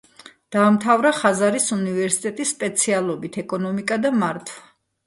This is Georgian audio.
დაამთავრა ხაზარის უნივერსიტეტი სპეციალობით „ეკონომიკა და მართვა“.